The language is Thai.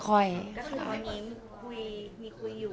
ก็คือมีคุยอยู่บ้างอะไรอย่างนี้